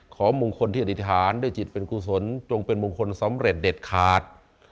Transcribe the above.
ของมงคลที่อธิษฐานด้วยจิตเป็นกุศลจงเป็นมงคลสำเร็จเด็ดขาด